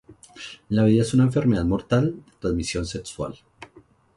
La vida es una enfermedad mortal de transmisión sexual